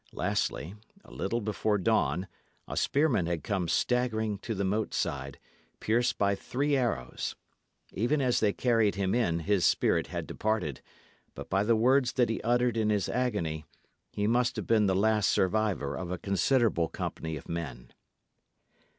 Lastly, a little before dawn, a spearman had come staggering to the moat side, pierced by three arrows; even as they carried him in, his spirit had departed; but by the words that he uttered in his agony, he must have been the last survivor of a considerable company of men.